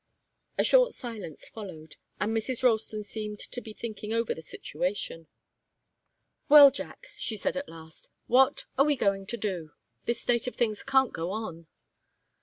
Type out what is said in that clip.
A short silence followed, and Mrs. Ralston seemed to be thinking over the situation. "Well, Jack," she said, at last, "what are we going to do? This state of things can't go on."